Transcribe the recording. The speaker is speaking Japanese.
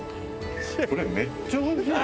これめっちゃおいしい！